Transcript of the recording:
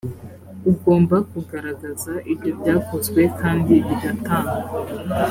ugomba kugaragaza ibyo byakozwe kandi bigatangwa